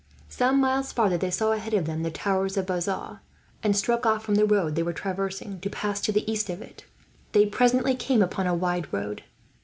Some miles farther, they saw ahead of them the towers of Bazas; and struck off from the road they were traversing, to pass to the east of it. They presently came upon a wide road.